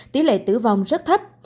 tỷ lệ tử vong rất thấp